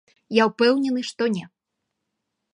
Я ўпэўнены, што не.